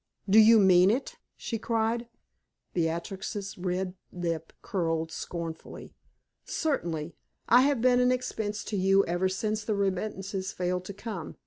"Do you mean it?" she cried. Beatrix's red lip curled scornfully. "Certainly. I have been an expense to you ever since the remittances failed to come.